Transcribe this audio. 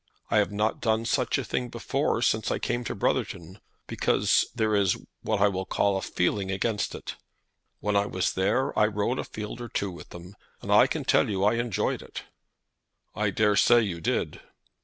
I have not done such a thing before since I came to Brotherton, because there is, what I will call a feeling against it. When I was there I rode a field or two with them, and I can tell you I enjoyed it." "I daresay you did."